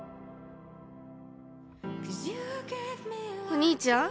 お兄ちゃん？